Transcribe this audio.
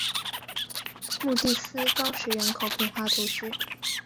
穆蒂耶高石人口变化图示